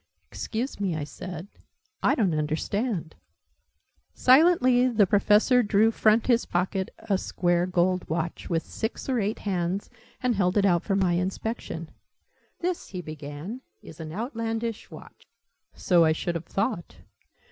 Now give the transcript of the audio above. "Excuse me," I said. "I don't understand." Silently the Professor drew front his pocket a square gold watch, with six or eight hands, and held it out for my inspection. "This," he began, "is an Outlandish Watch " "So I should have thought."